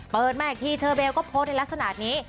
มาอีกทีเชอร์เบลก็โพสต์ในลักษณะนี้